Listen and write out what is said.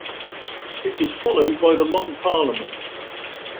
It was followed by the Long Parliament.